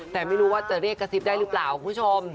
แต่ไม่รู้ว่าจะเรียกกระซิบได้หรือเปล่าคุณผู้ชม